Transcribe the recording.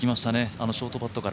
あのショートパットから。